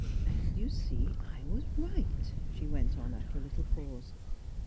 " And you see I was right," she went on, after a little pause.